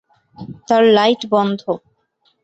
তার লাইট বন্ধ।